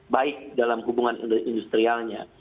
baik dalam hubungan industrialnya